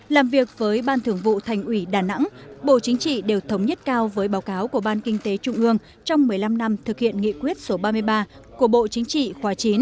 làm việc với ban thưởng vụ thành ủy đà nẵng bộ chính trị đều thống nhất cao với báo cáo của ban kinh tế trung ương trong một mươi năm năm thực hiện nghị quyết số ba mươi ba của bộ chính trị khóa chín